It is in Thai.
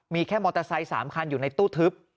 มีแค่มอเตอร์ไซค์๓คันอยู่ในตู้ทึบ